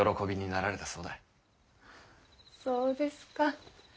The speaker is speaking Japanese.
そうですか。